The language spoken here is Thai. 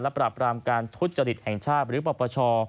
และปรับรามการทุฏยศิลป์หรือปปช